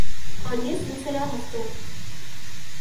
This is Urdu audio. اور یہ سلسلہ ہفتوں